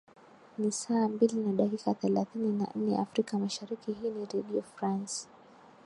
ni saa mbili na dakika thelathini na nne afrika mashariki hii ni redio france